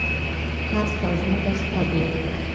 هسک او ځمکه ستا دي.